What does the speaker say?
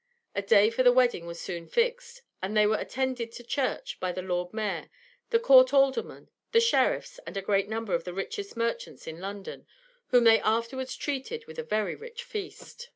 A day for the wedding was soon fixed; and they were attended to church by the Lord Mayor, the court aldermen, the sheriffs, and a great number of the richest merchants in London, whom they afterwards treated with a very rich feast.